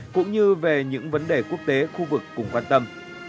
cũng như về những vấn đề quốc tế khu vực cùng quan tâm